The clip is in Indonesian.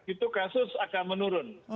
itu kasus akan menurun